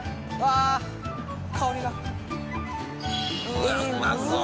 うわっうまそう！